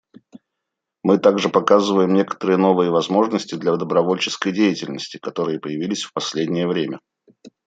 Мы также показываем некоторые новые возможности для добровольческой деятельности, которые появились в последнее время.